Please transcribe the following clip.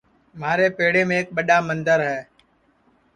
مھارے پیڑیم ایک ٻڈؔا مندر ہے